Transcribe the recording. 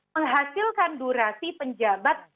menghasilkan durasi penjabat